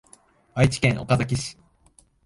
愛知県岡崎市